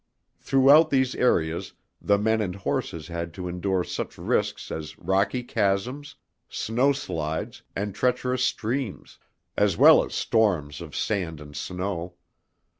Throughout these areas the men and horses had to endure such risks as rocky chasms, snow slides, and treacherous streams, as well as storms of sand and snow.